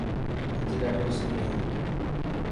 اڄ ڏاڌو سي هي.